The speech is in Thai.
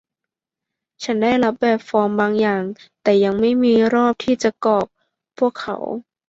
ฉันได้รับแบบฟอร์มบางอย่าง แต่ยังไม่มีรอบที่จะกรอกพวกเขา